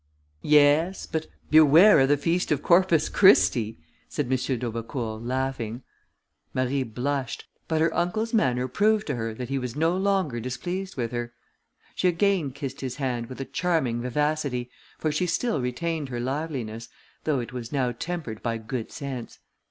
"Yes, but beware of the Feast of Corpus Christi," said M. d'Aubecourt, laughing. Marie blushed, but her uncle's manner proved to her that he was no longer displeased with her; she again kissed his hand with a charming vivacity, for she still retained her liveliness, though it was now tempered by good sense.